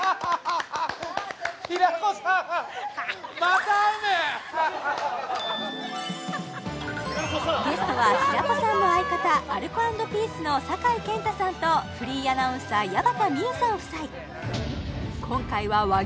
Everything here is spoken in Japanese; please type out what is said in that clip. さあということでゲストは平子さんの相方アルコ＆ピースの酒井健太さんとフリーアナウンサー矢端名結さん夫妻